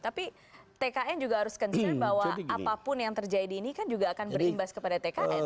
tapi tkn juga harus concern bahwa apapun yang terjadi ini kan juga akan berimbas kepada tkn